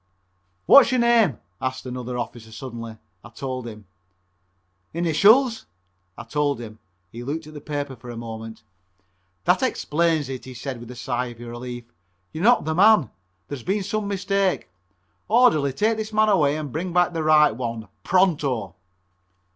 "What's your name?" asked another officer suddenly. I told him. "Initials?" I told him. He looked at the paper for a moment. "That explains it," he said with a sigh of relief, "you're not the man. There has been some mistake. Orderly, take this man away and bring back the right one. Pronto!"